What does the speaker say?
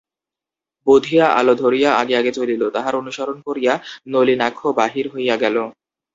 বুধিয়া আলো ধরিয়া আগে আগে চলিল, তাহার অনুসরণ করিয়া নলিনাক্ষ বাহির হইয়া গেল।